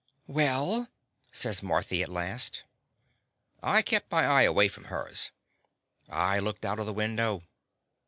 "Well?" says Marthy, at last. I kept my eye away from hers. I looked out of the window.